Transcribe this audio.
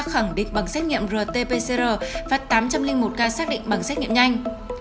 khẳng định bằng xét nghiệm rt pcr và tám trăm linh một ca xác định bằng xét nghiệm nhanh